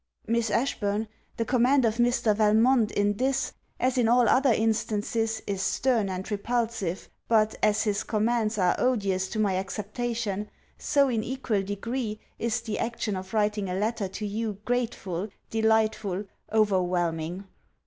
Miss Ashburn, the command of Mr. Valmont in this, as in all other instances, is stern and repulsive, but, as his commands are odious to my acceptation, so, in equal degree, is the action of writing a letter to you grateful, delightful, overwhelming!